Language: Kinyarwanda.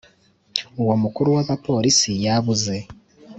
Uwo mukuru w ‘abapolisi yabuze.